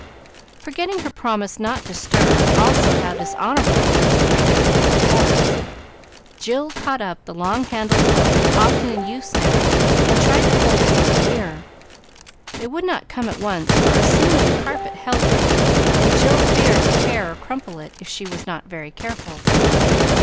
Forgetting her promise not to stir, also how dishonorable it was to read other people's letters, Jill caught up the long handled hook, often in use now, and tried to pull the paper nearer. It would not come at once, for a seam in the carpet held it, and Jill feared to tear or crumple it if she was not very careful.